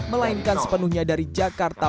melainkan sepenuhnya dari jakarta